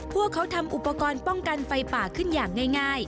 พวกเขาทำอุปกรณ์ป้องกันไฟป่าขึ้นอย่างง่าย